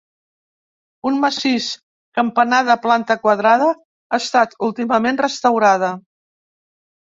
Un massís campanar de planta quadrada ha estat últimament restaurada.